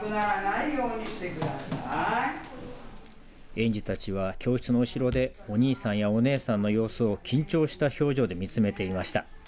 園児たちは教室の後ろでお兄さんやお姉さんのようすを緊張した表情で見つめていました。